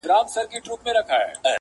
زما په لستوڼي کي ښامار لوی که-